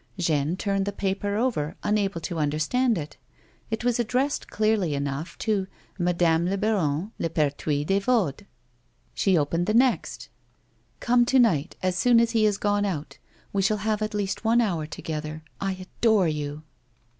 Jeanne turned the paper over, unable to understand it. It was addressed clearly enough to "Madame la baronne Le Perthnis des Vauds." She opened the next ;" Come to night as soon as he has gone out. We shall have at least one hour together. I adore you."